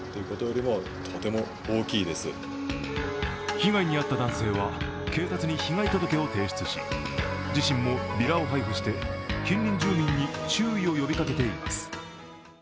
被害に遭った男性は警察に被害届を提出し自身もビラを配布して近隣住民に注意を呼びかけています。